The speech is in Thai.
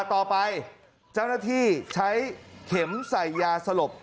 เจ้าหน้าที่ใช้เข็มใส่ยาสลบ